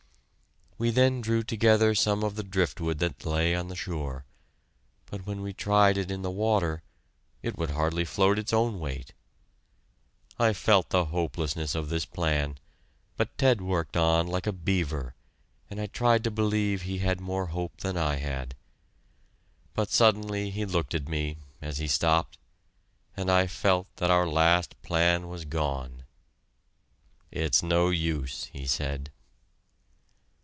We then drew together some of the driftwood that lay on the shore, but when we tried it in the water it would hardly float its own weight. I felt the hopelessness of this plan, but Ted worked on like a beaver, and I tried to believe he had more hope than I had. But suddenly he looked at me, as he stopped, and I felt that our last plan was gone! "It's no use," he said.